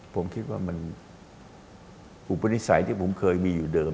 ผมคิดว่ามันอุปนิสัยที่ผมเคยมีอยู่เดิม